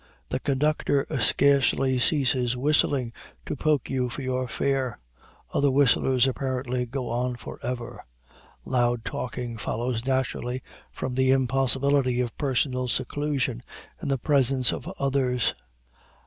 The conductor scarcely ceases whistling to poke you for your fare. Other whistlers apparently go on forever. Loud talking follows naturally from the impossibility of personal seclusion in the presence of others.